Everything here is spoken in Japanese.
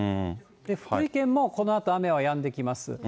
福井県もこのあと雨はやんできます。